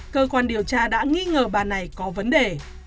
cơ quan điều tra đã nghi ngờ bà này có vấn đề